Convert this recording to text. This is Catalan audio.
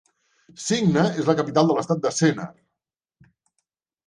Singa és la capital de l'estat de Sennar.